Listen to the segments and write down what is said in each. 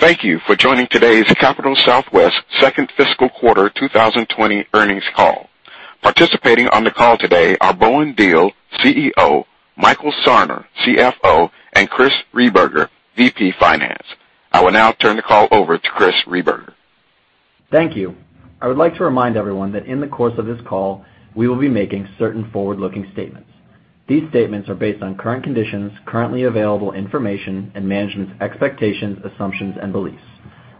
Thank you for joining today's Capital Southwest second fiscal quarter 2020 earnings call. Participating on the call today are Bowen Diehl, CEO, Michael Sarner, CFO, and Chris Rehberger, VP Finance. I will now turn the call over to Chris Rehberger. Thank you. I would like to remind everyone that in the course of this call, we will be making certain forward-looking statements. These statements are based on current conditions, currently available information and management's expectations, assumptions, and beliefs.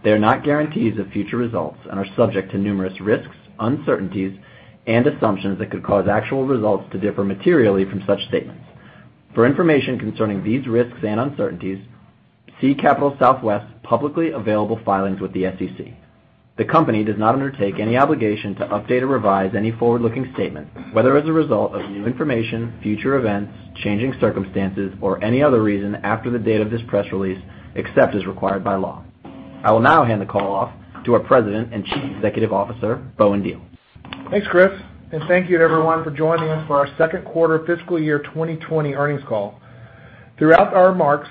They are not guarantees of future results and are subject to numerous risks, uncertainties and assumptions that could cause actual results to differ materially from such statements. For information concerning these risks and uncertainties, see Capital Southwest's publicly available filings with the SEC. The company does not undertake any obligation to update or revise any forward-looking statement, whether as a result of new information, future events, changing circumstances, or any other reason after the date of this press release, except as required by law. I will now hand the call off to our President and Chief Executive Officer, Bowen Diehl. Thanks, Chris, and thank you everyone for joining us for our second quarter fiscal year 2020 earnings call. Throughout our remarks,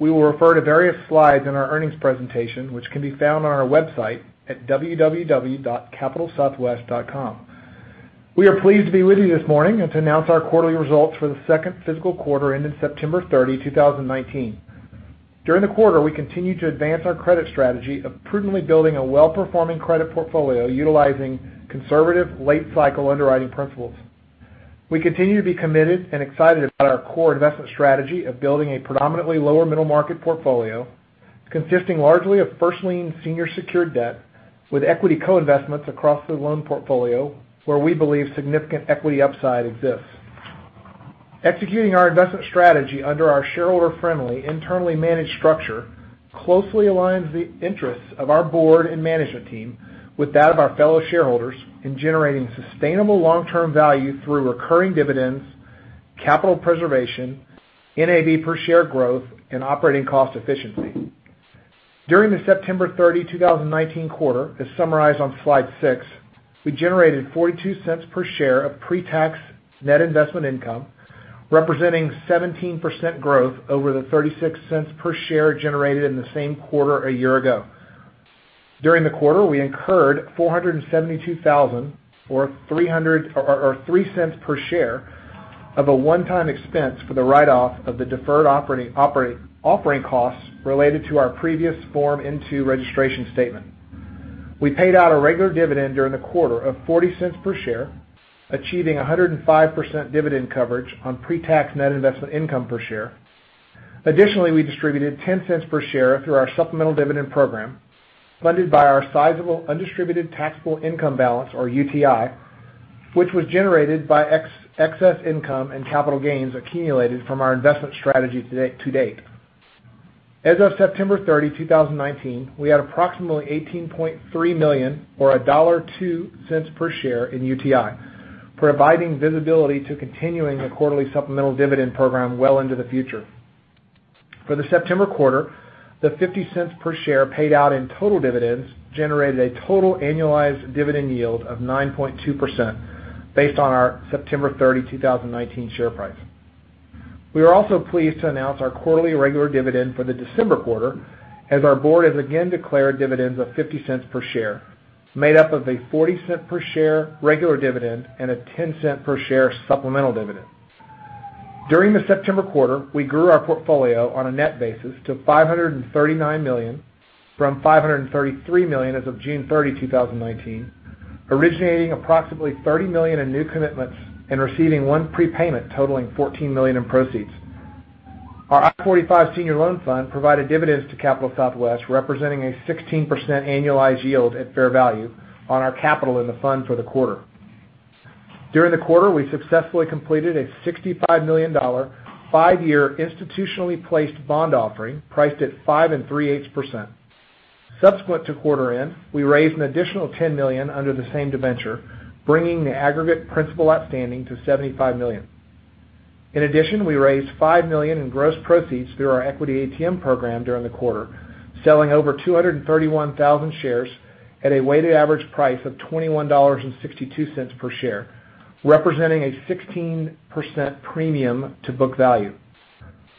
we will refer to various slides in our earnings presentation, which can be found on our website at www.capitalsouthwest.com. We are pleased to be with you this morning and to announce our quarterly results for the second fiscal quarter ended September 30, 2019. During the quarter, we continued to advance our credit strategy of prudently building a well-performing credit portfolio utilizing conservative late cycle underwriting principles. We continue to be committed and excited about our core investment strategy of building a predominantly lower middle market portfolio, consisting largely of first lien senior secured debt with equity co-investments across the loan portfolio where we believe significant equity upside exists. Executing our investment strategy under our shareholder-friendly, internally managed structure closely aligns the interests of our board and management team with that of our fellow shareholders in generating sustainable long-term value through recurring dividends, capital preservation, NAV per share growth and operating cost efficiency. During the September 30, 2019 quarter, as summarized on slide six, we generated $0.42 per share of pre-tax net investment income, representing 17% growth over the $0.36 per share generated in the same quarter a year ago. During the quarter, we incurred $472,000 or $0.03 per share of a one-time expense for the write-off of the deferred operating costs related to our previous Form N-2 registration statement. We paid out a regular dividend during the quarter of $0.40 per share, achieving 105% dividend coverage on pre-tax net investment income per share. Additionally, we distributed $0.10 per share through our supplemental dividend program, funded by our sizable undistributed taxable income balance or UTI, which was generated by excess income and capital gains accumulated from our investment strategy to date. As of September 30, 2019, we had approximately $18.3 million or $1.02 per share in UTI, providing visibility to continuing the quarterly supplemental dividend program well into the future. For the September quarter, the $0.50 per share paid out in total dividends generated a total annualized dividend yield of 9.2%, based on our September 30, 2019 share price. We are also pleased to announce our quarterly regular dividend for the December quarter, as our board has again declared dividends of $0.50 per share, made up of a $0.40 per share regular dividend and a $0.10 per share supplemental dividend. During the September quarter, we grew our portfolio on a net basis to $539 million from $533 million as of June 30, 2019, originating approximately $30 million in new commitments and receiving one prepayment totaling $14 million in proceeds. Our I-45 Senior Loan Fund provided dividends to Capital Southwest, representing a 16% annualized yield at fair value on our capital in the fund for the quarter. During the quarter, we successfully completed a $65 million five-year institutionally placed bond offering priced at 5.38%. Subsequent to quarter end, we raised an additional $10 million under the same debenture, bringing the aggregate principal outstanding to $75 million. In addition, we raised $5 million in gross proceeds through our equity ATM program during the quarter, selling over 231,000 shares at a weighted average price of $21.62 per share, representing a 16% premium to book value.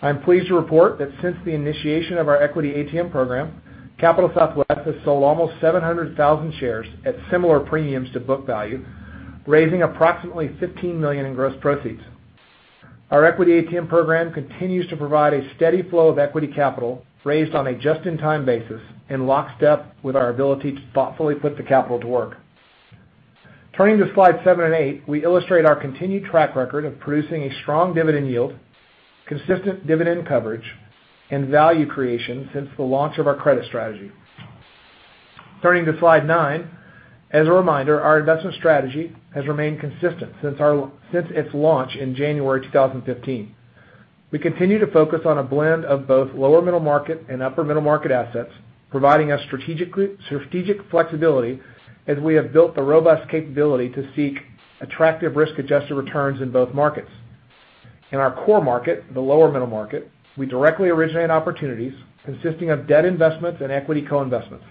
I'm pleased to report that since the initiation of our equity ATM program, Capital Southwest has sold almost 700,000 shares at similar premiums to book value, raising approximately $15 million in gross proceeds. Our equity ATM program continues to provide a steady flow of equity capital raised on a just-in-time basis in lockstep with our ability to thoughtfully put the capital to work. Turning to slide seven and eight, we illustrate our continued track record of producing a strong dividend yield, consistent dividend coverage and value creation since the launch of our credit strategy. Turning to slide nine. As a reminder, our investment strategy has remained consistent since its launch in January 2015. We continue to focus on a blend of both lower middle market and upper middle market assets, providing us strategic flexibility as we have built the robust capability to seek attractive risk-adjusted returns in both markets. In our core market, the lower middle market, we directly originate opportunities consisting of debt investments and equity co-investments.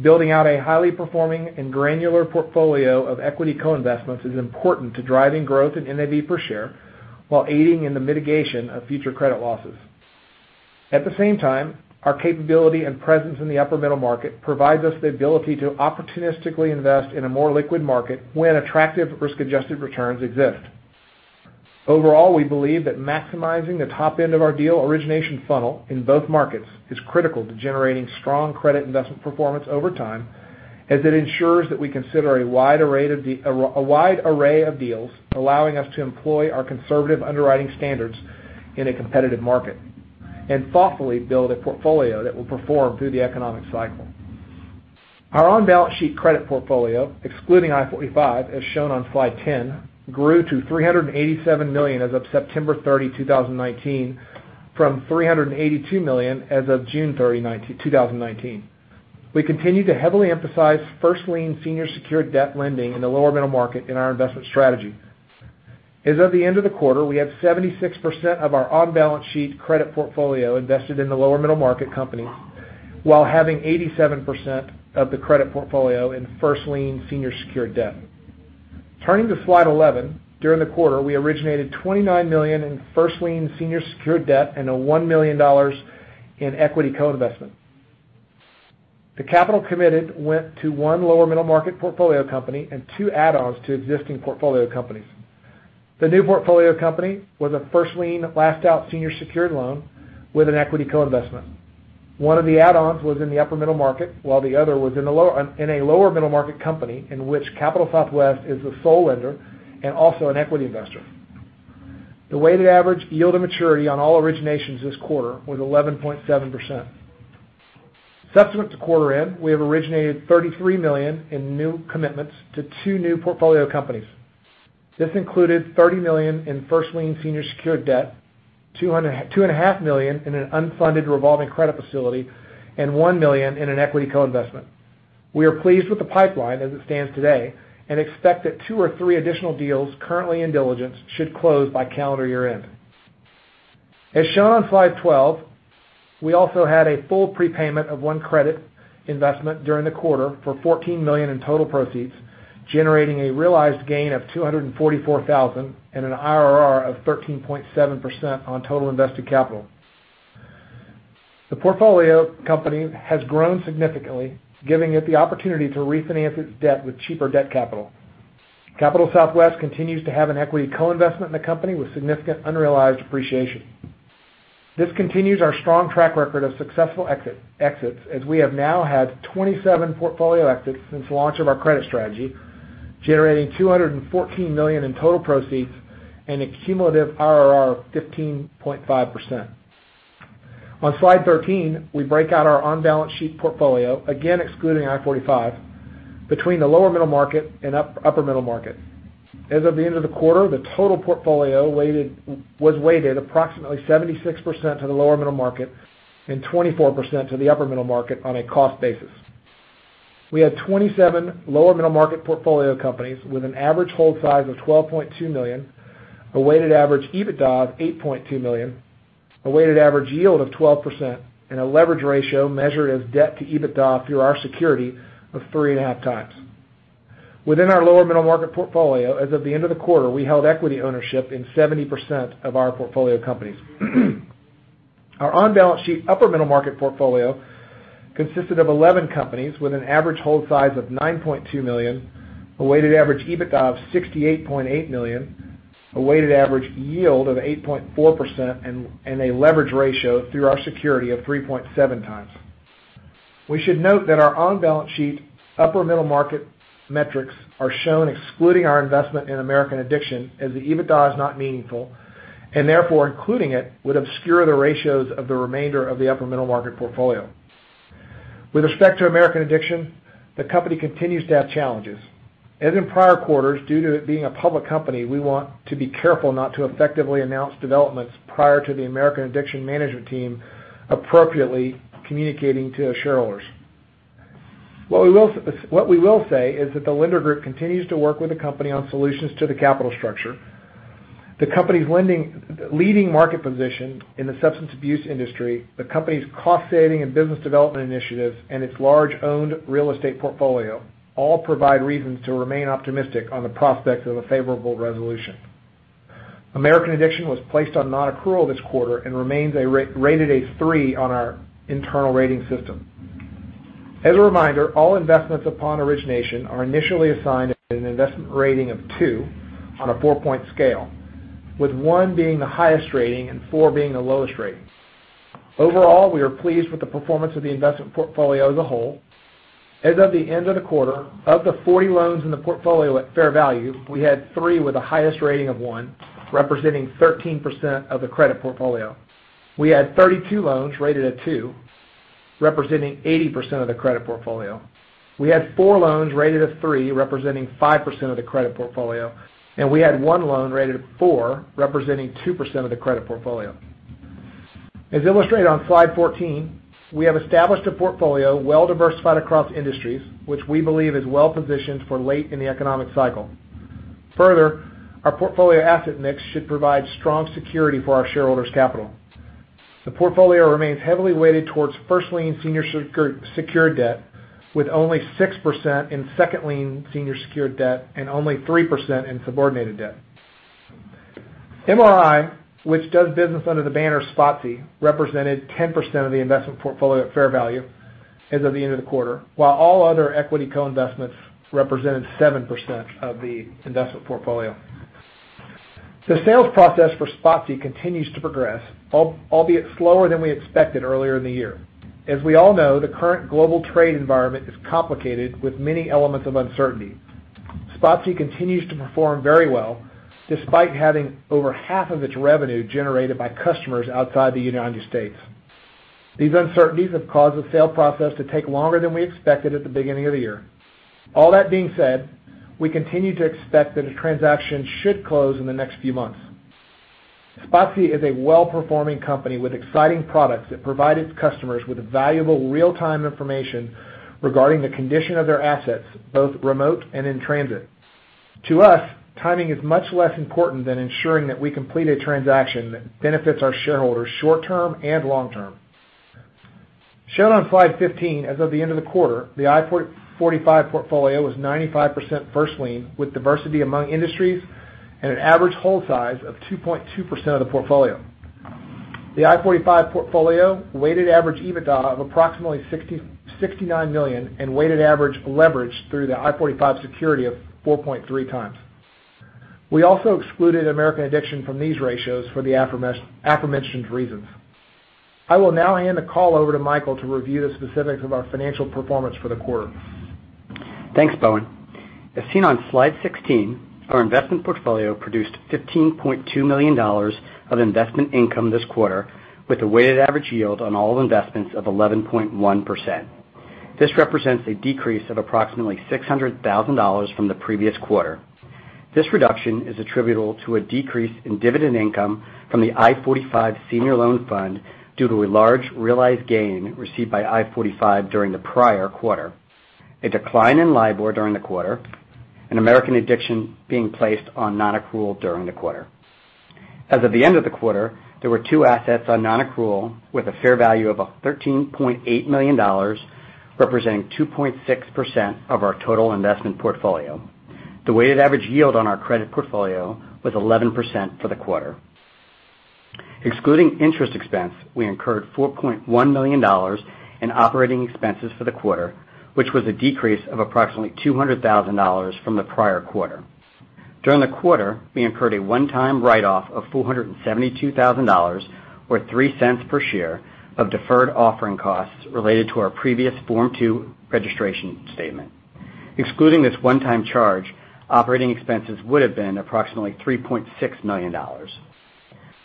Building out a highly performing and granular portfolio of equity co-investments is important to driving growth in NAV per share while aiding in the mitigation of future credit losses. At the same time, our capability and presence in the upper middle market provides us the ability to opportunistically invest in a more liquid market when attractive risk-adjusted returns exist. Overall, we believe that maximizing the top end of our deal origination funnel in both markets is critical to generating strong credit investment performance over time, as it ensures that we consider a wide array of deals, allowing us to employ our conservative underwriting standards in a competitive market and thoughtfully build a portfolio that will perform through the economic cycle. Our on-balance sheet credit portfolio, excluding I-45, as shown on slide 10, grew to $387 million as of September 30, 2019, from $382 million as of June 30, 2019. We continue to heavily emphasize first lien senior secured debt lending in the lower middle market in our investment strategy. As of the end of the quarter, we have 76% of our on-balance sheet credit portfolio invested in the lower middle market companies, while having 87% of the credit portfolio in first lien senior secured debt. Turning to slide 11. During the quarter, we originated $29 million in first lien senior secured debt and a $1 million in equity co-investment. The capital committed went to one lower middle market portfolio company and two add-ons to existing portfolio companies. The new portfolio company was a first lien, last out senior secured loan with an equity co-investment. One of the add-ons was in the upper middle market, while the other was in a lower middle market company in which Capital Southwest is the sole lender and also an equity investor. The weighted average yield of maturity on all originations this quarter was 11.7%. Subsequent to quarter end, we have originated $33 million in new commitments to two new portfolio companies. This included $30 million in first lien senior secured debt, $2.5 million in an unfunded revolving credit facility, and $1 million in an equity co-investment. We are pleased with the pipeline as it stands today and expect that two or three additional deals currently in diligence should close by calendar year-end. As shown on slide 12, we also had a full prepayment of one credit investment during the quarter for $14 million in total proceeds, generating a realized gain of $244,000 and an IRR of 13.7% on total invested capital. The portfolio company has grown significantly, giving it the opportunity to refinance its debt with cheaper debt capital. Capital Southwest continues to have an equity co-investment in the company with significant unrealized appreciation. This continues our strong track record of successful exits, as we have now had 27 portfolio exits since the launch of our credit strategy, generating $214 million in total proceeds and a cumulative IRR of 15.5%. On slide 13, we break out our on-balance sheet portfolio, again excluding I-45, between the lower middle market and upper middle market. As of the end of the quarter, the total portfolio was weighted approximately 76% to the lower middle market and 24% to the upper middle market on a cost basis. We had 27 lower middle market portfolio companies with an average hold size of $12.2 million, a weighted average EBITDA of $8.2 million, a weighted average yield of 12%, and a leverage ratio measured as debt to EBITDA through our security of 3.5 times. Within our lower middle market portfolio, as of the end of the quarter, we held equity ownership in 70% of our portfolio companies. Our on-balance sheet upper middle market portfolio consisted of 11 companies with an average hold size of $9.2 million, a weighted average EBITDA of $68.8 million, a weighted average yield of 8.4%, and a leverage ratio through our security of 3.7 times. We should note that our on-balance sheet upper middle market metrics are shown excluding our investment in American Addiction, as the EBITDA is not meaningful, and therefore including it would obscure the ratios of the remainder of the upper middle market portfolio. With respect to American Addiction, the company continues to have challenges. As in prior quarters, due to it being a public company, we want to be careful not to effectively announce developments prior to the American Addiction management team appropriately communicating to shareholders. What we will say is that the lender group continues to work with the company on solutions to the capital structure. The company's leading market position in the substance abuse industry, the company's cost saving and business development initiatives, and its large owned real estate portfolio all provide reasons to remain optimistic on the prospect of a favorable resolution. American Addiction was placed on non-accrual this quarter and remains rated a 3 on our internal rating system. As a reminder, all investments upon origination are initially assigned an investment rating of 2 on a 4-point scale, with 1 being the highest rating and 4 being the lowest rating. Overall, we are pleased with the performance of the investment portfolio as a whole. As of the end of the quarter, of the 40 loans in the portfolio at fair value, we had 3 with the highest rating of 1, representing 13% of the credit portfolio. We had 32 loans rated at 2, representing 80% of the credit portfolio. We had 4 loans rated at 3, representing 5% of the credit portfolio, we had 1 loan rated at 4, representing 2% of the credit portfolio. As illustrated on slide 14, we have established a portfolio well diversified across industries, which we believe is well positioned for late in the economic cycle. Further, our portfolio asset mix should provide strong security for our shareholders' capital. The portfolio remains heavily weighted towards first lien senior secured debt, with only 6% in second lien senior secured debt and only 3% in subordinated debt. MRI, which does business under the banner SpotSee, represented 10% of the investment portfolio at fair value as of the end of the quarter, while all other equity co-investments represented 7% of the investment portfolio. The sales process for SpotSee continues to progress, albeit slower than we expected earlier in the year. As we all know, the current global trade environment is complicated with many elements of uncertainty. SpotSee continues to perform very well, despite having over half of its revenue generated by customers outside the United States. These uncertainties have caused the sales process to take longer than we expected at the beginning of the year. All that being said, we continue to expect that a transaction should close in the next few months. SpotSee is a well-performing company with exciting products that provide its customers with valuable real-time information regarding the condition of their assets, both remote and in transit. To us, timing is much less important than ensuring that we complete a transaction that benefits our shareholders short-term and long-term. Shown on slide 15 as of the end of the quarter, the I-45 portfolio was 95% first lien, with diversity among industries and an average hold size of 2.2% of the portfolio. The I-45 portfolio weighted average EBITDA of approximately 69 million and weighted average leverage through the I-45 security of 4.3 times. We also excluded American Addiction from these ratios for the aforementioned reasons. I will now hand the call over to Michael to review the specifics of our financial performance for the quarter. Thanks, Bowen. As seen on slide 16, our investment portfolio produced $15.2 million of investment income this quarter, with a weighted average yield on all investments of 11.1%. This represents a decrease of approximately $600,000 from the previous quarter. This reduction is attributable to a decrease in dividend income from the I-45 Senior Loan Fund due to a large realized gain received by I-45 during the prior quarter, a decline in LIBOR during the quarter, and American Addiction being placed on non-accrual during the quarter. As of the end of the quarter, there were two assets on non-accrual with a fair value of $13.8 million, representing 2.6% of our total investment portfolio. The weighted average yield on our credit portfolio was 11% for the quarter. Excluding interest expense, we incurred $4.1 million in operating expenses for the quarter, which was a decrease of approximately $200,000 from the prior quarter. During the quarter, we incurred a one-time write-off of $472,000 or $0.03 per share of deferred offering costs related to our previous Form N-2 registration statement. Excluding this one-time charge, operating expenses would have been approximately $3.6 million.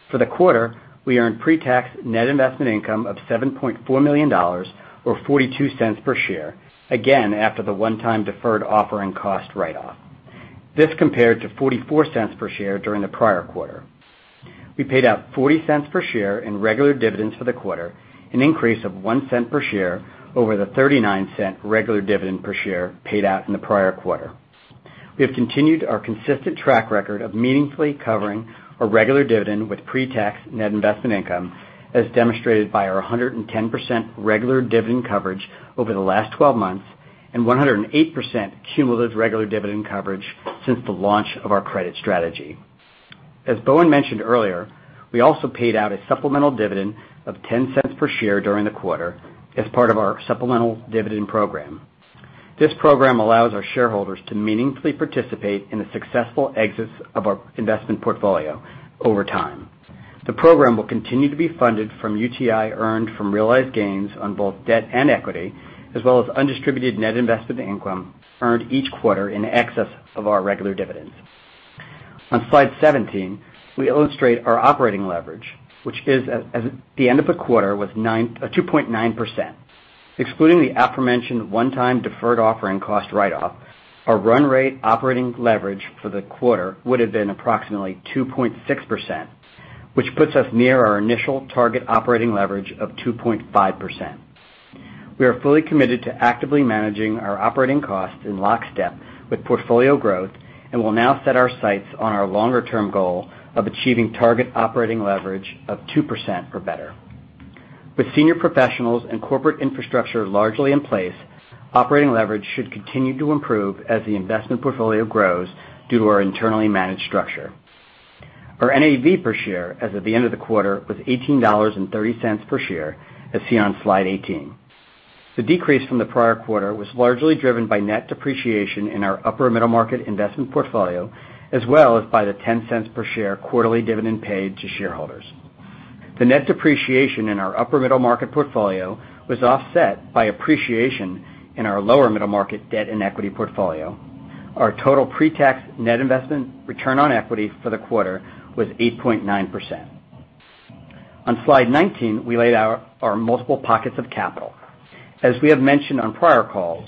For the quarter, we earned pre-tax net investment income of $7.4 million or $0.42 per share, again, after the one-time deferred offering cost write-off. This compared to $0.44 per share during the prior quarter. We paid out $0.40 per share in regular dividends for the quarter, an increase of $0.01 per share over the $0.39 regular dividend per share paid out in the prior quarter. We have continued our consistent track record of meaningfully covering our regular dividend with pre-tax net investment income, as demonstrated by our 110% regular dividend coverage over the last 12 months and 108% cumulative regular dividend coverage since the launch of our credit strategy. As Bowen mentioned earlier, we also paid out a supplemental dividend of $0.10 per share during the quarter as part of our supplemental dividend program. This program allows our shareholders to meaningfully participate in the successful exits of our investment portfolio over time. The program will continue to be funded from UTI earned from realized gains on both debt and equity, as well as undistributed net investment income earned each quarter in excess of our regular dividends. On slide 17, we illustrate our operating leverage, which is at the end of the quarter was 2.9%. Excluding the aforementioned one-time deferred offering cost write-off, our run rate operating leverage for the quarter would have been approximately 2.6%, which puts us near our initial target operating leverage of 2.5%. We are fully committed to actively managing our operating costs in lockstep with portfolio growth and will now set our sights on our longer-term goal of achieving target operating leverage of 2% or better. With senior professionals and corporate infrastructure largely in place, operating leverage should continue to improve as the investment portfolio grows due to our internally managed structure. Our NAV per share as of the end of the quarter was $18.30 per share, as seen on slide 18. The decrease from the prior quarter was largely driven by net depreciation in our upper middle market investment portfolio, as well as by the $0.10 per share quarterly dividend paid to shareholders. The net depreciation in our upper middle market portfolio was offset by appreciation in our lower middle market debt and equity portfolio. Our total pre-tax net investment return on equity for the quarter was 8.9%. On slide 19, we laid out our multiple pockets of capital. As we have mentioned on prior calls,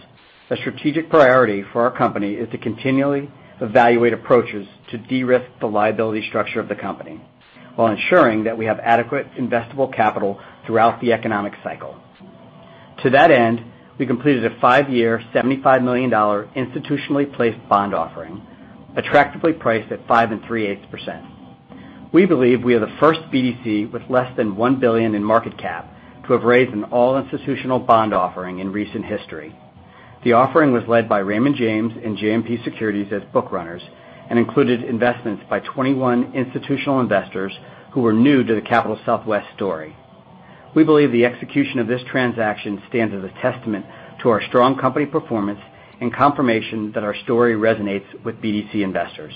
a strategic priority for our company is to continually evaluate approaches to de-risk the liability structure of the company while ensuring that we have adequate investable capital throughout the economic cycle. To that end, we completed a 5-year, $75 million institutionally placed bond offering, attractively priced at 5.38%. We believe we are the first BDC with less than $1 billion in market cap to have raised an all-institutional bond offering in recent history. The offering was led by Raymond James and JMP Securities as bookrunners, and included investments by 21 institutional investors who were new to the Capital Southwest story. We believe the execution of this transaction stands as a testament to our strong company performance and confirmation that our story resonates with BDC investors.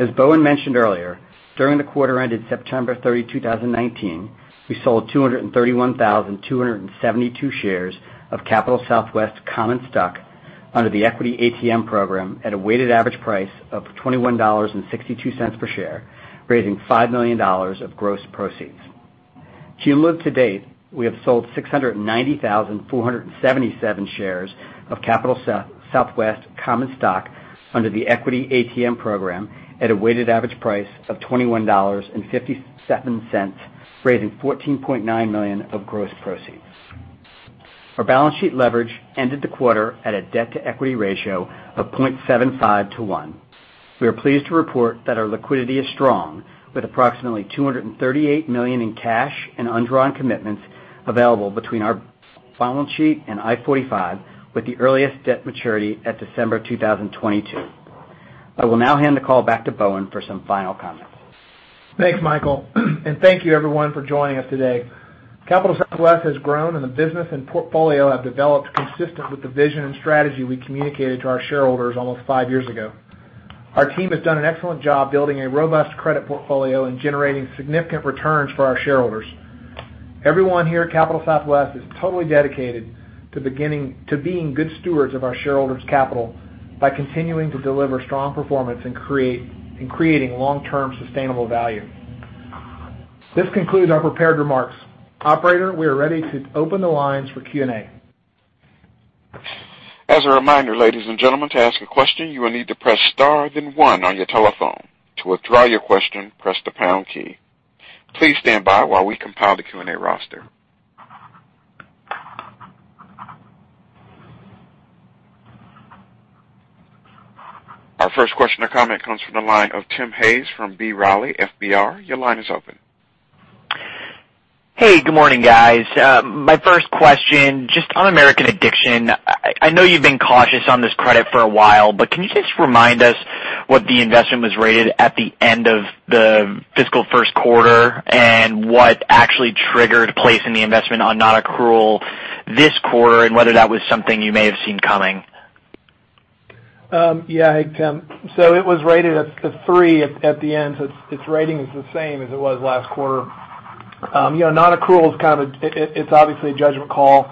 As Bowen mentioned earlier, during the quarter ended September 30, 2019, we sold 231,272 shares of Capital Southwest common stock under the equity ATM program at a weighted average price of $21.62 per share, raising $5 million of gross proceeds. Year to date, we have sold 690,477 shares of Capital Southwest common stock under the equity ATM program at a weighted average price of $21.57, raising $14.9 million of gross proceeds. Our balance sheet leverage ended the quarter at a debt-to-equity ratio of 0.75 to one. We are pleased to report that our liquidity is strong, with approximately $238 million in cash and undrawn commitments available between our balance sheet and I-45, with the earliest debt maturity at December 2022. I will now hand the call back to Bowen for some final comments. Thanks, Michael. Thank you, everyone, for joining us today. Capital Southwest has grown, and the business and portfolio have developed consistent with the vision and strategy we communicated to our shareholders almost five years ago. Our team has done an excellent job building a robust credit portfolio and generating significant returns for our shareholders. Everyone here at Capital Southwest is totally dedicated to being good stewards of our shareholders' capital by continuing to deliver strong performance in creating long-term sustainable value. This concludes our prepared remarks. Operator, we are ready to open the lines for Q&A. As a reminder, ladies and gentlemen, to ask a question, you will need to press star then one on your telephone. To withdraw your question, press the pound key. Please stand by while we compile the Q&A roster. Our first question or comment comes from the line of Timothy Hayes from B. Riley FBR. Your line is open. Hey, good morning, guys. My first question, just on American Addiction. I know you've been cautious on this credit for a while, but can you just remind us what the investment was rated at the end of the fiscal first quarter, and what actually triggered placing the investment on non-accrual this quarter, and whether that was something you may have seen coming? Yeah. Hey, Tim. It was rated a three at the end, so its rating is the same as it was last quarter. Non-accrual, it's obviously a judgment call,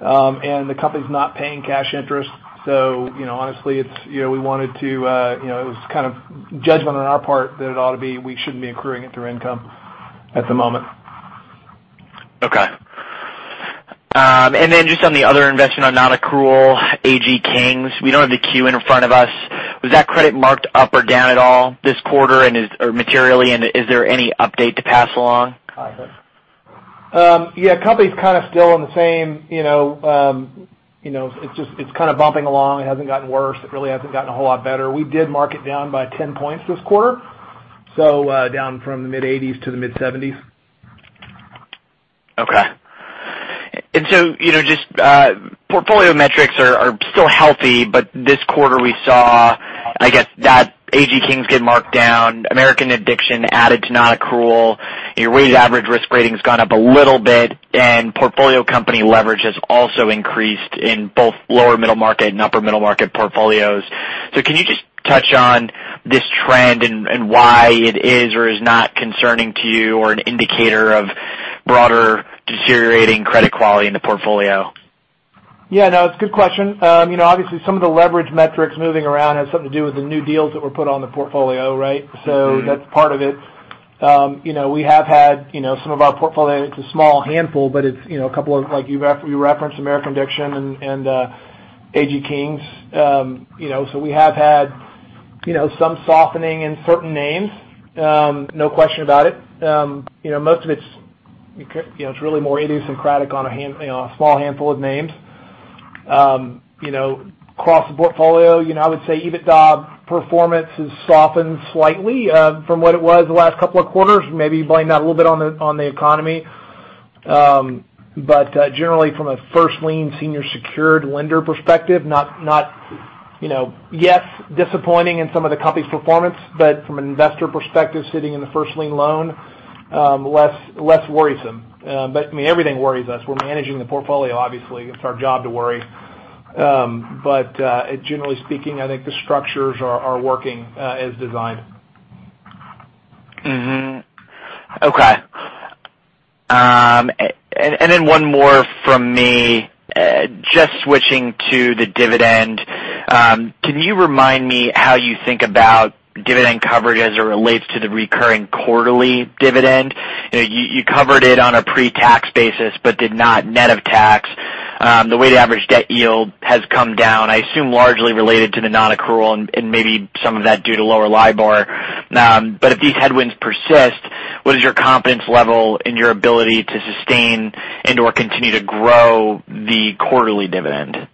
and the company's not paying cash interest. Honestly, it was kind of judgment on our part that it ought to be, we shouldn't be accruing it through income at the moment. Okay. Just on the other investment on non-accrual, AG Kings. We don't have the Q in front of us. Was that credit marked up or down at all this quarter materially, and is there any update to pass along? Yeah. Company's kind of still in the same, it's kind of bumping along. It hasn't gotten worse. It really hasn't gotten a whole lot better. We did mark it down by 10 points this quarter, so down from the mid-80s to the mid-70s. Okay. Just portfolio metrics are still healthy, but this quarter we saw, I guess, that AG Kings get marked down, American Addiction added to non-accrual. Your weighted average risk rating's gone up a little bit, and portfolio company leverage has also increased in both lower middle market and upper middle market portfolios. Can you just touch on this trend and why it is or is not concerning to you or an indicator of broader deteriorating credit quality in the portfolio? Yeah, no, it's a good question. Obviously, some of the leverage metrics moving around has something to do with the new deals that were put on the portfolio, right? That's part of it. We have had some of our portfolio, it's a small handful, but it's a couple of like you referenced American Addiction and AG Kings. We have had some softening in certain names, no question about it. Most of it's really more idiosyncratic on a small handful of names. Across the portfolio, I would say EBITDA performance has softened slightly from what it was the last couple of quarters. Maybe you blame that a little bit on the economy. Generally, from a first lien senior secured lender perspective, yes, disappointing in some of the company's performance, but from an investor perspective, sitting in the first lien loan, less worrisome. Everything worries us. We're managing the portfolio, obviously. It's our job to worry. Generally speaking, I think the structures are working as designed. Mm-hmm. Okay. One more from me. Just switching to the dividend. Can you remind me how you think about dividend coverage as it relates to the recurring quarterly dividend? You covered it on a pre-tax basis but did not net of tax. The weighted average debt yield has come down, I assume, largely related to the non-accrual and maybe some of that due to lower LIBOR. If these headwinds persist, what is your confidence level in your ability to sustain and/or continue to grow the quarterly dividend?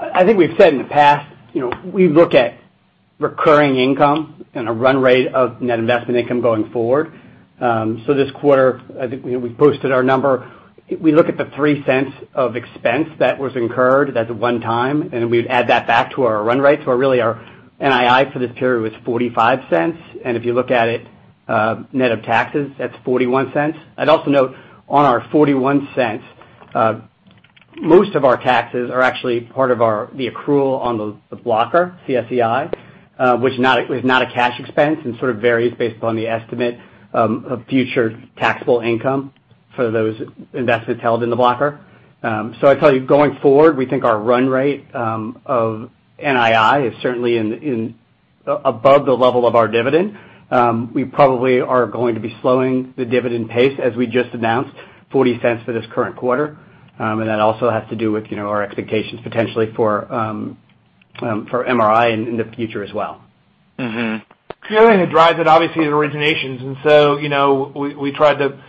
I think we've said in the past, we look at recurring income and a run rate of net investment income going forward. This quarter, I think we posted our number. We look at the $0.03 of expense that was incurred. That's one-time, and then we'd add that back to our run rate. Really our NII for this period was $0.45. If you look at it net of taxes, that's $0.41. I'd also note on our $0.41, most of our taxes are actually part of the accrual on the blocker, CSEI which is not a cash expense and sort of varies based upon the estimate of future taxable income for those investments held in the blocker. I'd tell you, going forward, we think our run rate of NII is certainly above the level of our dividend. We probably are going to be slowing the dividend pace, as we just announced, $0.40 for this current quarter. That also has to do with our expectations potentially for MRI in the future as well. Clearly, what drives it obviously is originations. We tried to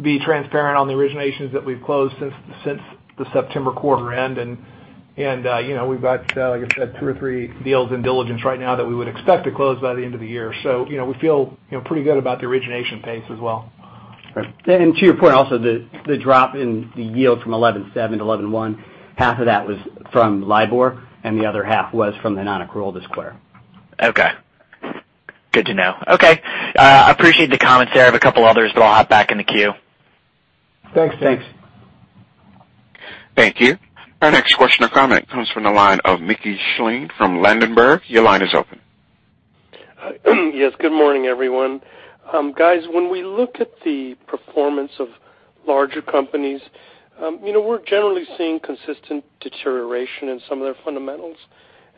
be transparent on the originations that we've closed since the September quarter end. We've got, like I said, two or three deals in diligence right now that we would expect to close by the end of the year. We feel pretty good about the origination pace as well. To your point also, the drop in the yield from 11.7 to 11.1, half of that was from LIBOR, and the other half was from the non-accrual this quarter. Okay. Good to know. Okay. I appreciate the comments there. I have a couple others that I'll hop back in the queue. Thanks. Thanks. Thank you. Our next question or comment comes from the line of Mickey Schleien from Ladenburg. Your line is open. Yes, good morning, everyone. Guys, when we look at the performance of larger companies, we're generally seeing consistent deterioration in some of their fundamentals,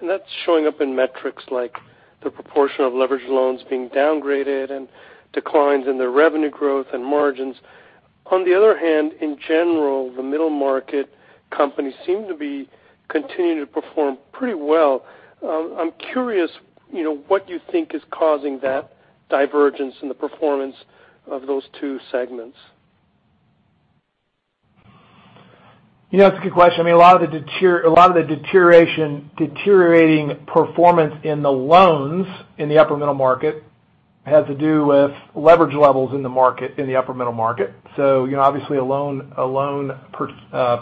and that's showing up in metrics like the proportion of leveraged loans being downgraded and declines in their revenue growth and margins. On the other hand, in general, the middle market companies seem to be continuing to perform pretty well. I'm curious what you think is causing that divergence in the performance of those two segments. That's a good question. A lot of the deteriorating performance in the loans in the upper middle market has to do with leverage levels in the upper middle market. Obviously a loan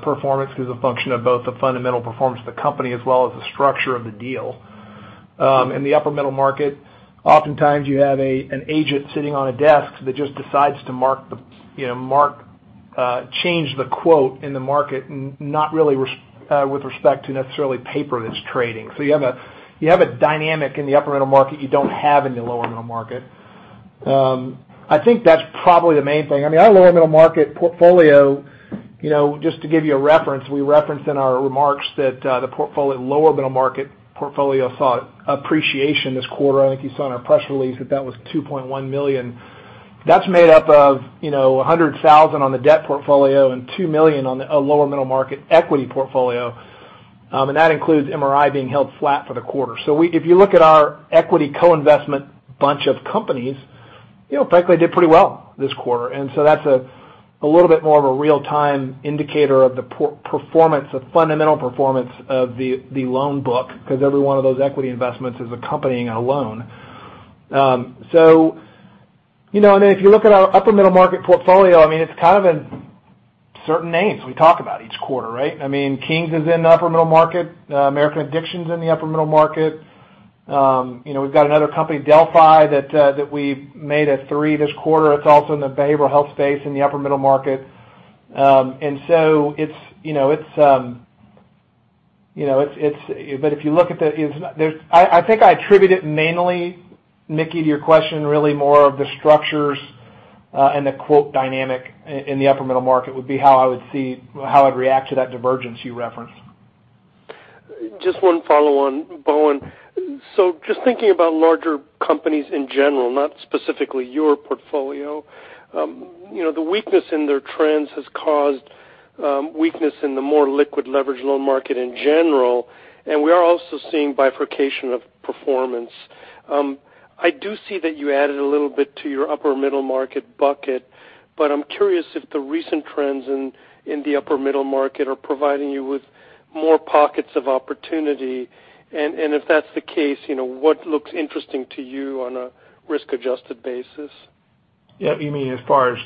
performance is a function of both the fundamental performance of the company as well as the structure of the deal. In the upper middle market, oftentimes you have an agent sitting on a desk that just decides to change the quote in the market, not really with respect to necessarily paper that's trading. You have a dynamic in the upper middle market you don't have in the lower middle market. I think that's probably the main thing. Our lower middle market portfolio, just to give you a reference, we referenced in our remarks that the lower middle market portfolio saw appreciation this quarter. I think you saw in our press release that was $2.1 million. That's made up of 100,000 on the debt portfolio and $2 million on the lower middle market equity portfolio. That includes MRI being held flat for the quarter. If you look at our equity co-investment bunch of companies, frankly, they did pretty well this quarter. That's a little bit more of a real-time indicator of the fundamental performance of the loan book, because every one of those equity investments is accompanying a loan. If you look at our upper middle market portfolio, it's kind of in certain names we talk about each quarter, right? Kings is in the upper middle market. American Addiction's in the upper middle market. We've got another company, Delphi, that we made a 3 this quarter. It's also in the behavioral health space in the upper middle market. I think I attribute it mainly, Mickey, to your question, really more of the structures and the quote dynamic in the upper middle market would be how I would react to that divergence you referenced. Just one follow-on, Bowen. Just thinking about larger companies in general, not specifically your portfolio. The weakness in their trends has caused weakness in the more liquid leverage loan market in general, and we are also seeing bifurcation of performance. I do see that you added a little bit to your upper middle market bucket, but I'm curious if the recent trends in the upper middle market are providing you with more pockets of opportunity. If that's the case, what looks interesting to you on a risk-adjusted basis? You mean as far as,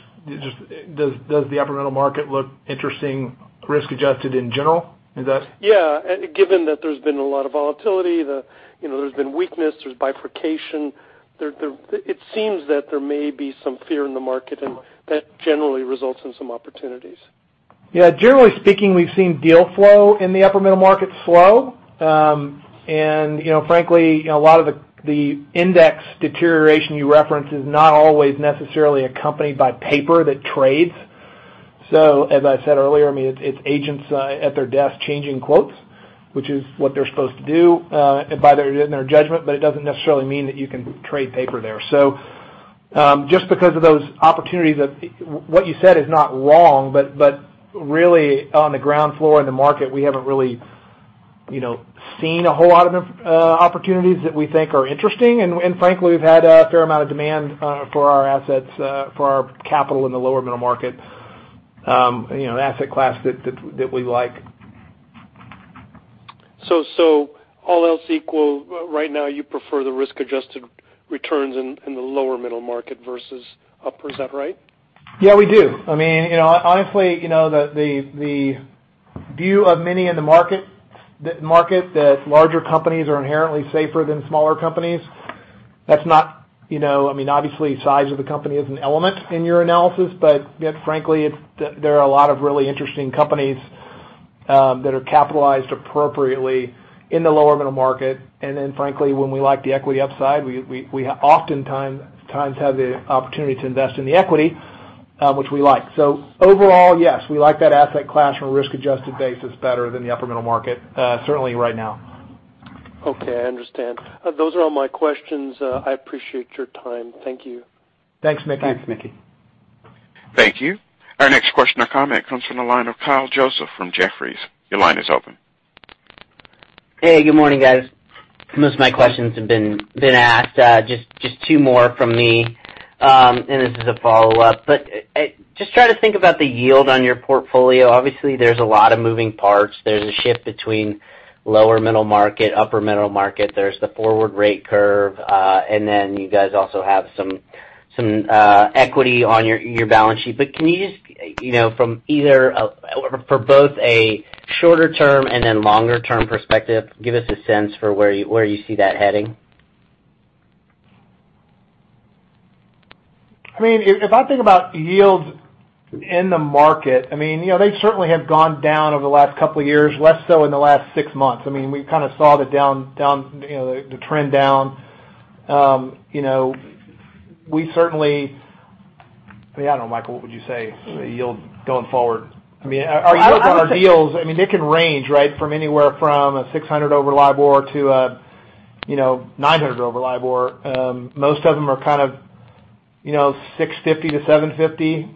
does the upper middle market look interesting, risk adjusted in general? Is that- Yeah. Given that there's been a lot of volatility, there's been weakness, there's bifurcation. It seems that there may be some fear in the market, and that generally results in some opportunities. Generally speaking, we've seen deal flow in the upper middle market slow. Frankly, a lot of the index deterioration you referenced is not always necessarily accompanied by paper that trades. As I said earlier, it's agents at their desk changing quotes, which is what they're supposed to do by their judgment, but it doesn't necessarily mean that you can trade paper there. Just because of those opportunities, what you said is not wrong, but really on the ground floor in the market, we haven't really seen a whole lot of opportunities that we think are interesting. Frankly, we've had a fair amount of demand for our assets, for our capital in the lower middle market, an asset class that we like. All else equal, right now you prefer the risk-adjusted returns in the lower middle market versus upper. Is that right? Yeah, we do. Honestly, the view of many in the market that larger companies are inherently safer than smaller companies. Obviously, size of the company is an element in your analysis. Yet frankly, there are a lot of really interesting companies that are capitalized appropriately in the lower middle market. Then frankly, when we like the equity upside, we oftentimes have the opportunity to invest in the equity, which we like. Overall, yes, we like that asset class from a risk-adjusted basis better than the upper middle market, certainly right now. Okay, I understand. Those are all my questions. I appreciate your time. Thank you. Thanks, Mickey. Thanks, Mickey. Thank you. Our next question or comment comes from the line of Kyle Joseph from Jefferies. Your line is open. Hey, good morning, guys. Most of my questions have been asked. Just two more from me. This is a follow-up. Just try to think about the yield on your portfolio. Obviously, there's a lot of moving parts. There's a shift between lower middle market, upper middle market. There's the forward rate curve. You guys also have some equity on your balance sheet. Can you just, for both a shorter-term and then longer-term perspective, give us a sense for where you see that heading? If I think about yields in the market, they certainly have gone down over the last couple of years, less so in the last six months. We kind of saw the trend down. I don't know, Michael, what would you say yield going forward? Our yields on our deals, they can range from anywhere from 600 over LIBOR to 900 over LIBOR. Most of them are kind of 650 to 750.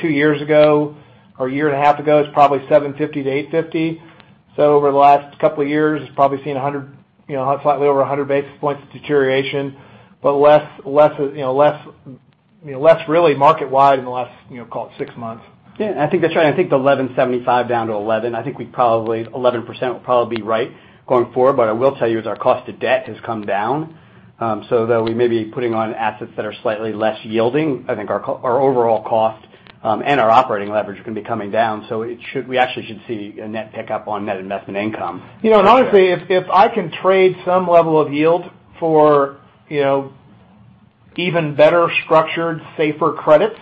Two years ago, or a year and a half ago, it was probably 750 to 850. Over the last couple of years, it's probably seen slightly over 100 basis points of deterioration, but less really market-wide in the last call it six months. Yeah, I think that's right. I think the 11.75% down to 11%. I think 11% will probably be right going forward. I will tell you is our cost of debt has come down. Though we may be putting on assets that are slightly less yielding, I think our overall cost and our operating leverage are going to be coming down. We actually should see a net pickup on net investment income. Honestly, if I can trade some level of yield for even better structured, safer credits,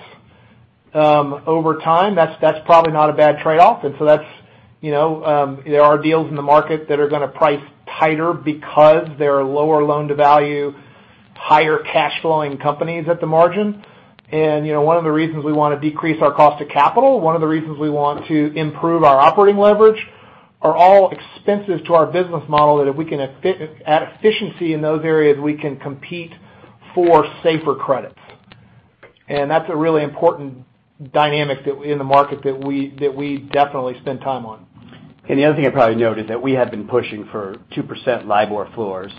over time, that's probably not a bad trade-off. There are deals in the market that are going to price tighter because they are lower loan-to-value, higher cash flowing companies at the margin. One of the reasons we want to decrease our cost of capital, one of the reasons we want to improve our operating leverage, are all expenses to our business model that if we can add efficiency in those areas, we can compete for safer credits. That's a really important dynamic in the market that we definitely spend time on. The other thing I'd probably note is that we have been pushing for 2% LIBOR floors.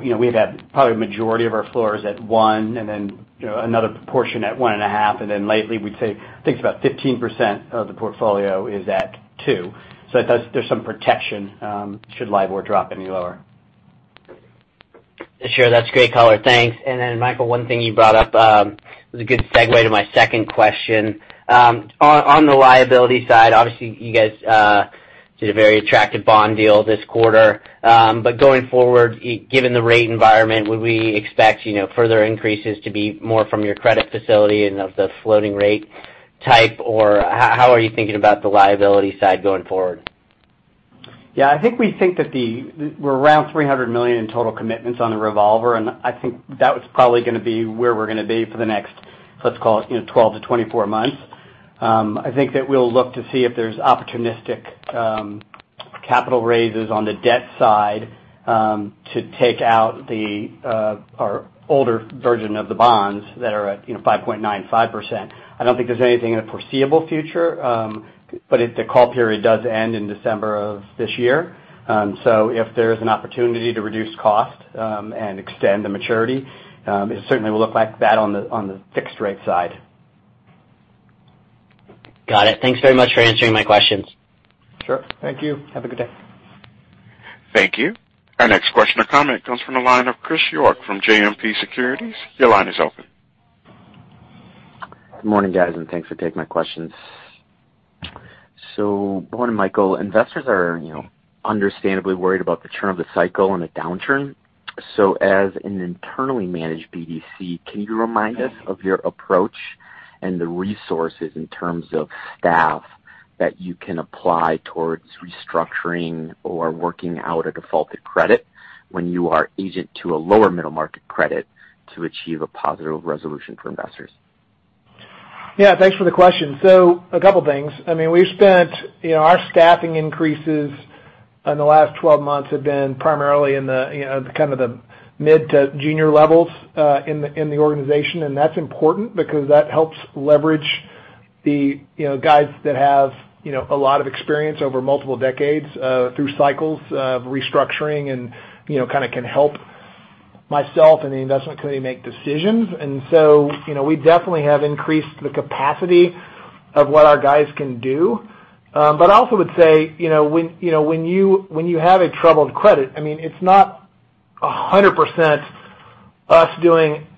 We've had probably majority of our floors at 1, and then another portion at 1.5. Lately, we'd say, I think it's about 15% of the portfolio is at 2. There's some protection should LIBOR drop any lower. Sure. That's great color. Thanks. Then Michael, one thing you brought up was a good segue to my second question. On the liability side, obviously you guys did a very attractive bond deal this quarter. Going forward, given the rate environment, would we expect further increases to be more from your credit facility and of the floating rate type? How are you thinking about the liability side going forward? Yeah, I think we think that we're around $300 million in total commitments on the revolver. I think that was probably going to be where we're going to be for the next, let's call it, 12 to 24 months. I think that we'll look to see if there's opportunistic capital raises on the debt side to take out our older version of the bonds that are at 5.95%. I don't think there's anything in the foreseeable future. The call period does end in December of this year. If there's an opportunity to reduce cost and extend the maturity, we certainly will look like that on the fixed rate side. Got it. Thanks very much for answering my questions. Sure. Thank you. Have a good day. Thank you. Our next question or comment comes from the line of Chris York from JMP Securities. Your line is open. Good morning, guys, and thanks for taking my questions. Good morning, Michael. Investors are understandably worried about the turn of the cycle and a downturn. As an internally managed BDC, can you remind us of your approach and the resources in terms of staff that you can apply towards restructuring or working out a defaulted credit when you are agent to a lower middle market credit to achieve a positive resolution for investors? Yeah, thanks for the question. A couple things. Our staffing increases in the last 12 months have been primarily in the mid to junior levels in the organization. That's important because that helps leverage the guys that have a lot of experience over multiple decades through cycles of restructuring and can help myself and the investment committee make decisions. We definitely have increased the capacity of what our guys can do. I also would say, when you have a troubled credit, it's not 100% us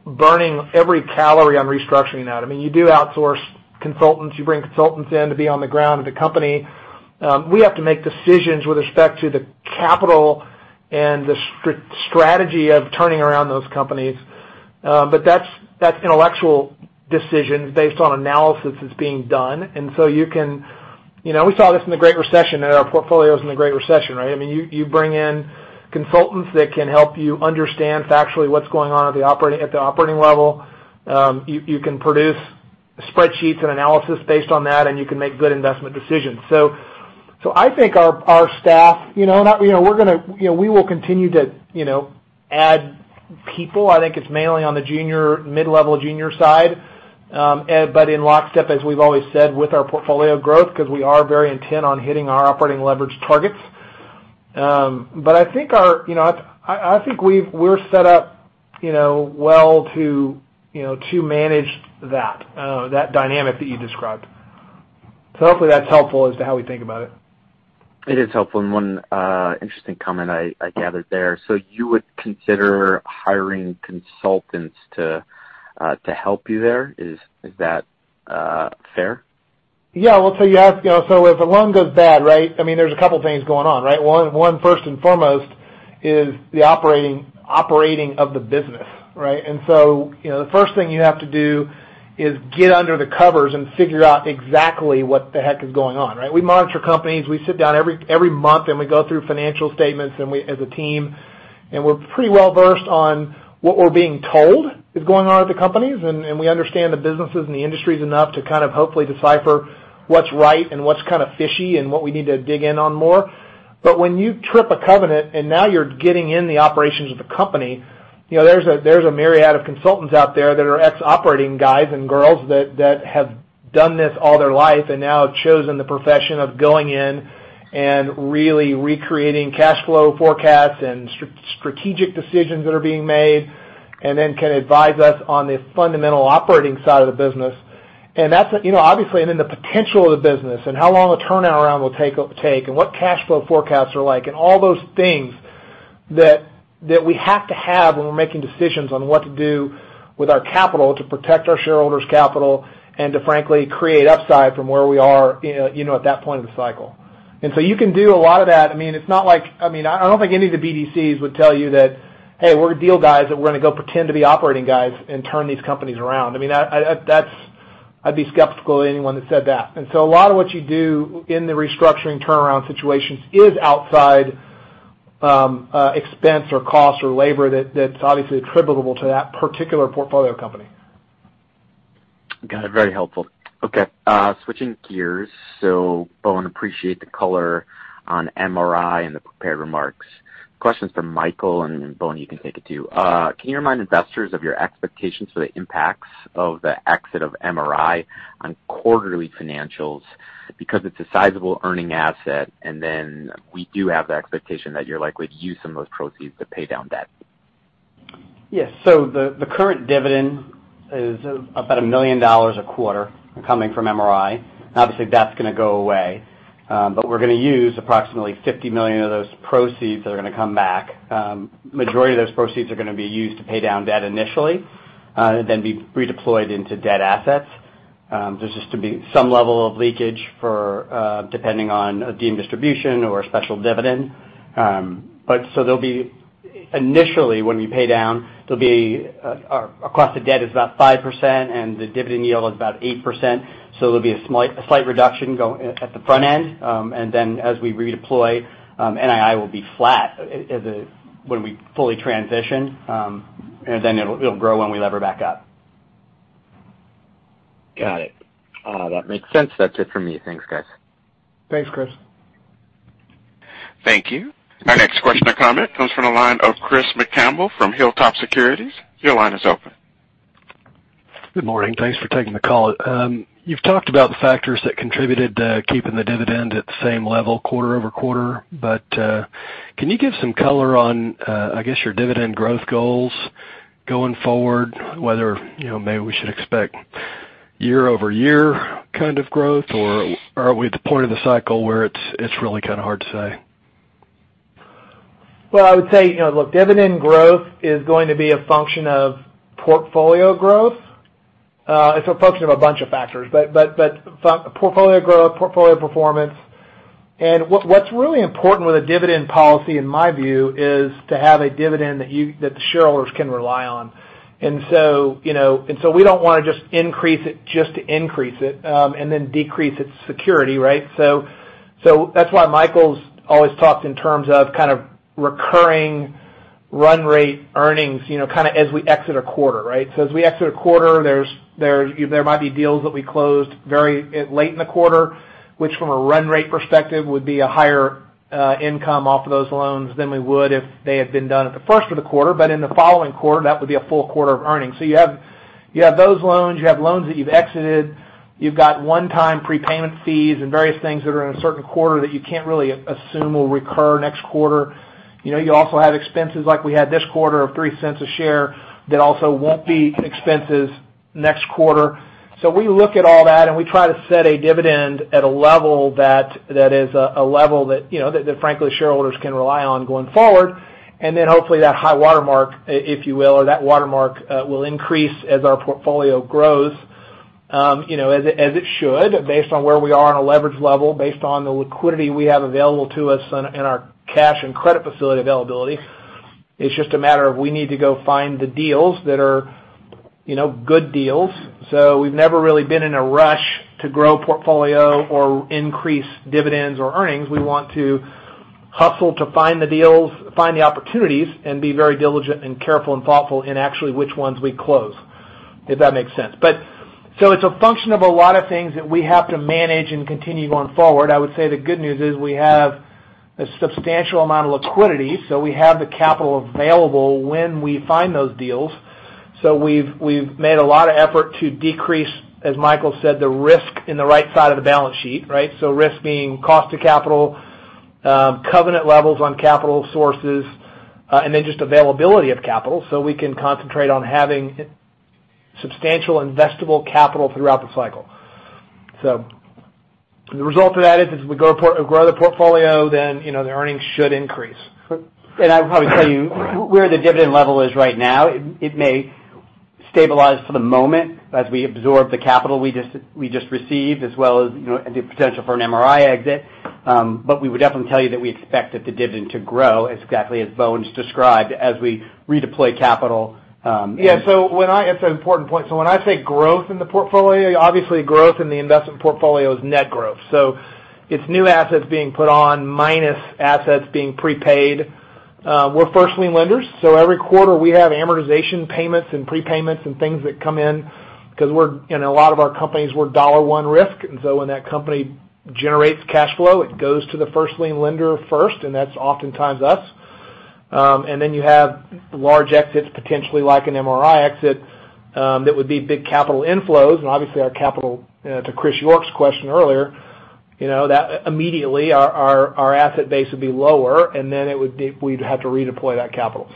burning every calorie on restructuring that. You do outsource consultants. You bring consultants in to be on the ground at the company. We have to make decisions with respect to the capital and the strategy of turning around those companies. That's intellectual decisions based on analysis that's being done. We saw this in the Great Recession, in our portfolios in the Great Recession, right? You bring in consultants that can help you understand factually what's going on at the operating level. You can produce spreadsheets and analysis based on that, and you can make good investment decisions. I think we will continue to add people. I think it's mainly on the mid-level junior side. In lockstep, as we've always said, with our portfolio growth, because we are very intent on hitting our operating leverage targets. I think we're set up well to manage that dynamic that you described. Hopefully that's helpful as to how we think about it. It is helpful. One interesting comment I gathered there. You would consider hiring consultants to help you there? Is that fair? Yeah. Well, if a loan goes bad, right? There's a couple things going on, right? One, first and foremost is the operating of the business, right? The first thing you have to do is get under the covers and figure out exactly what the heck is going on, right? We monitor companies, we sit down every month, we go through financial statements as a team, and we're pretty well-versed on what we're being told is going on at the companies. We understand the businesses and the industries enough to kind of hopefully decipher what's right and what's kind of fishy and what we need to dig in on more. When you trip a covenant and now you're getting in the operations of the company, there's a myriad of consultants out there that are ex-operating guys and girls that have done this all their life and now have chosen the profession of going in and really recreating cash flow forecasts and strategic decisions that are being made, and then can advise us on the fundamental operating side of the business. The potential of the business and how long a turnaround will take, and what cash flow forecasts are like, and all those things that we have to have when we're making decisions on what to do with our capital to protect our shareholders' capital and to frankly create upside from where we are at that point of the cycle. You can do a lot of that. I don't think any of the BDCs would tell you that, "Hey, we're deal guys, and we're going to go pretend to be operating guys and turn these companies around." I'd be skeptical of anyone that said that. A lot of what you do in the restructuring turnaround situations is outside expense or cost or labor that's obviously attributable to that particular portfolio company. Got it. Very helpful. Switching gears. Bowen Diehl, appreciate the color on MRI and the prepared remarks. Questions for Michael, and then Bowen, you can take it too. Can you remind investors of your expectations for the impacts of the exit of MRI on quarterly financials? It's a sizable earning asset, and then we do have the expectation that you're likely to use some of those proceeds to pay down debt. Yes. The current dividend is about $1 million a quarter coming from MRI. Obviously, that's going to go away. We're going to use approximately $50 million of those proceeds that are going to come back. Majority of those proceeds are going to be used to pay down debt initially, and then be redeployed into debt assets. There's just to be some level of leakage depending on a deemed distribution or a special dividend. There'll be, initially when we pay down, there'll be across the debt is about 5%, and the dividend yield is about 8%. So there'll be a slight reduction at the front end. As we redeploy, NII will be flat when we fully transition. It'll grow when we lever back up. Got it. That makes sense. That's it for me. Thanks, guys. Thanks, Chris. Thank you. Our next question or comment comes from the line of Chris McCampbell from Hilltop Securities. Your line is open. Good morning. Thanks for taking the call. You've talked about the factors that contributed to keeping the dividend at the same level quarter-over-quarter, but can you give some color on, I guess, your dividend growth goals going forward, whether maybe we should expect year-over-year kind of growth, or are we at the point of the cycle where it's really kind of hard to say? Well, I would say, look, dividend growth is going to be a function of portfolio growth. It's a function of a bunch of factors. Portfolio growth, portfolio performance. What's really important with a dividend policy, in my view, is to have a dividend that the shareholders can rely on. We don't want to just increase it just to increase it, and then decrease its security, right? That's why Michael's always talked in terms of kind of recurring run rate earnings, kind of as we exit a quarter, right? As we exit a quarter, there might be deals that we closed very late in the quarter, which from a run rate perspective would be a higher income off of those loans than we would if they had been done at the first of the quarter. In the following quarter, that would be a full quarter of earnings. You have those loans, you have loans that you've exited, you've got one-time prepayment fees and various things that are in a certain quarter that you can't really assume will recur next quarter. You also have expenses like we had this quarter of $0.03 a share that also won't be expenses next quarter. We look at all that, and we try to set a dividend at a level that is a level that, frankly, shareholders can rely on going forward. Hopefully that high watermark, if you will, or that watermark will increase as our portfolio grows, as it should, based on where we are on a leverage level, based on the liquidity we have available to us and our cash and credit facility availability. It's just a matter of we need to go find the deals that are good deals. We've never really been in a rush to grow portfolio or increase dividends or earnings. We want to hustle to find the deals, find the opportunities, and be very diligent and careful and thoughtful in actually which ones we close, if that makes sense. It's a function of a lot of things that we have to manage and continue going forward. I would say the good news is we have a substantial amount of liquidity. We have the capital available when we find those deals. We've made a lot of effort to decrease, as Michael said, the risk in the right side of the balance sheet, right? Risk being cost to capital, covenant levels on capital sources, and then just availability of capital so we can concentrate on having substantial investable capital throughout the cycle. The result of that is, if we grow the portfolio, then the earnings should increase. I would probably tell you where the dividend level is right now. It may stabilize for the moment as we absorb the capital we just received, as well as the potential for an MRI exit. We would definitely tell you that we expect that the dividend to grow exactly as Bowen's described as we redeploy capital. Yeah. It's an important point. When I say growth in the portfolio, obviously growth in the investment portfolio is net growth. It's new assets being put on, minus assets being prepaid. We're first lien lenders. Every quarter, we have amortization payments and prepayments and things that come in because a lot of our companies, we're dollar one risk. When that company generates cash flow, it goes to the first lien lender first, and that's oftentimes us. You have large exits, potentially like an MRI exit, that would be big capital inflows. Obviously our capital, to Chris York's question earlier, immediately our asset base would be lower, and then we'd have to redeploy that capital.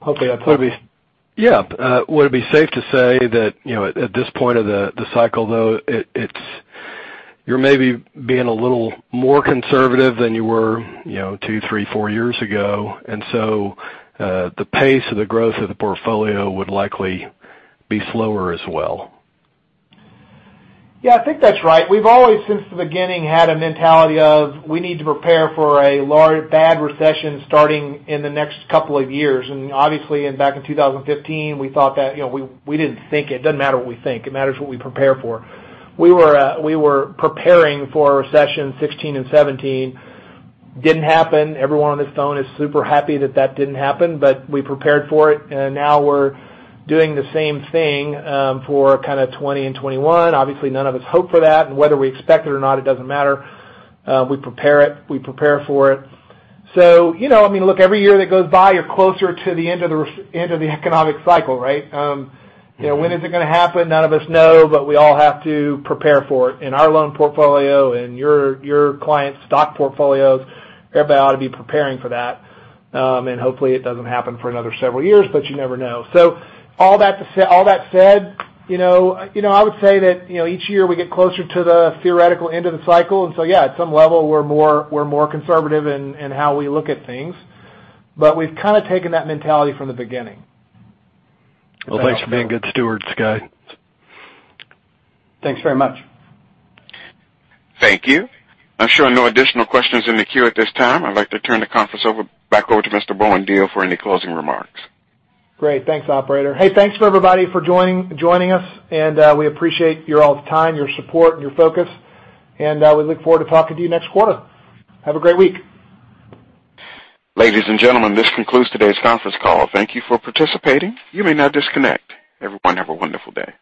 Hopefully that's. Yeah. Would it be safe to say that at this point of the cycle, though, you're maybe being a little more conservative than you were two, three, four years ago, and so the pace of the growth of the portfolio would likely be slower as well? Yeah, I think that's right. We've always, since the beginning, had a mentality of we need to prepare for a bad recession starting in the next couple of years. Obviously back in 2015, we didn't think. It doesn't matter what we think. It matters what we prepare for. We were preparing for a recession 2016 and 2017. Didn't happen. Everyone on this phone is super happy that that didn't happen, but we prepared for it. Now we're doing the same thing for kind of 2020 and 2021. Obviously, none of us hope for that. Whether we expect it or not, it doesn't matter. We prepare for it. Look, every year that goes by, you're closer to the end of the economic cycle, right? When is it going to happen? None of us know, but we all have to prepare for it in our loan portfolio and your clients' stock portfolios. Everybody ought to be preparing for that. Hopefully it doesn't happen for another several years, but you never know. All that said, I would say that each year we get closer to the theoretical end of the cycle. Yeah, at some level, we're more conservative in how we look at things. We've kind of taken that mentality from the beginning. Well, thanks for being good stewards, guys. Thanks very much. Thank you. I'm showing no additional questions in the queue at this time. I'd like to turn the conference back over to Mr. Bowen Diehl for any closing remarks. Great. Thanks, operator. Hey, thanks for everybody for joining us. We appreciate your all's time, your support, and your focus. We look forward to talking to you next quarter. Have a great week. Ladies and gentlemen, this concludes today's conference call. Thank you for participating. You may now disconnect. Everyone have a wonderful day.